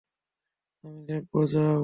আমি দেখব, যাও।